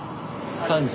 ３時。